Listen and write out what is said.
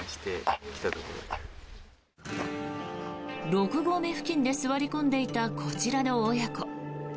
六合目付近で座り込んでいたこちらの親子。